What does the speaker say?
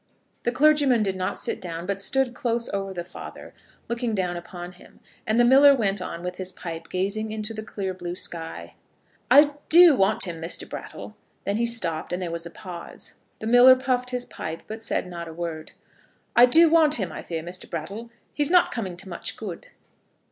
The clergyman did not sit down, but stood close over the father, looking down upon him; and the miller went on with his pipe gazing into the clear blue sky. "I do want him, Mr. Brattle." Then he stopped, and there was a pause. The miller puffed his pipe, but said not a word. "I do want him. I fear, Mr. Brattle, he's not coming to much good."